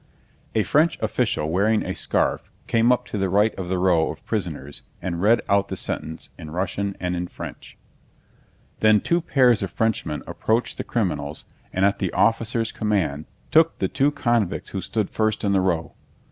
A French official wearing a scarf came up to the right of the row of prisoners and read out the sentence in Russian and in French. Then two pairs of Frenchmen approached the criminals and at the officer's command took the two convicts who stood first in the row.